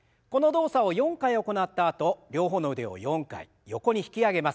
この動作を４回行ったあと両方の腕を４回横に引き上げます。